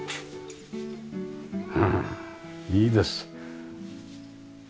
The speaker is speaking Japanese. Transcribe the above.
うんいいです。